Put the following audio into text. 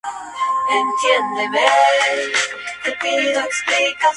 De hecho la gorgona, antiguo símbolo del poder, aparece en la decoración etrusca.